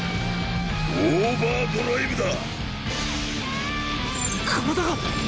オーバードライブだ！